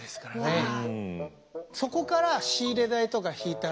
そこから仕入れ代とか引いたら。